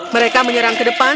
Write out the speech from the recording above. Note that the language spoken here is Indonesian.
mereka menyerang ke depan